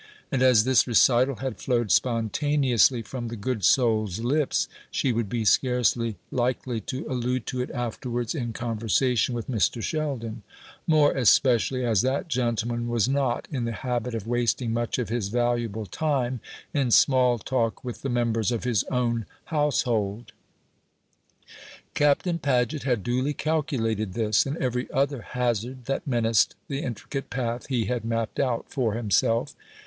And as this recital had flowed spontaneously from the good soul's lips, she would be scarcely likely to allude to it afterwards in conversation with Mr. Sheldon; more especially as that gentleman was not in the habit of wasting much of his valuable time in small talk with the members of his own household. Captain Paget had duly calculated this, and every other hazard that menaced the intricate path he had mapped out for himself.